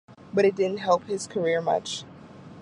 But it didn’t help his career much.